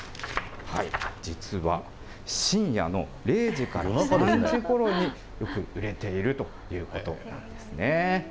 実は、深夜の０時から３時ごろによく売れているということなんですね。